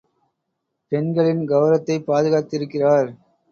பெண்களின் கெளரவத்தைப் பாதுகாத்திருக்கிறார்.